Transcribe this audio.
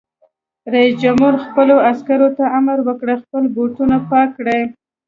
رئیس جمهور خپلو عسکرو ته امر وکړ؛ خپل بوټونه پاک کړئ!